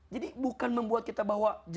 jadi bukan membuat kita bahwa